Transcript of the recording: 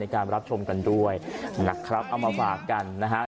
การรับชมกันด้วยนะครับเอามาฝากกันนะฮะ